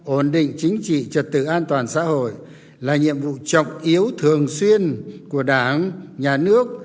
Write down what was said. ổn định chính trị trật tự an toàn xã hội là nhiệm vụ trọng yếu thường xuyên của đảng nhà nước